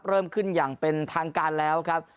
เริ่มขึ้นอย่างเป็นทางการแล้วครับ